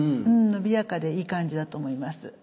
伸びやかでいい感じだと思います。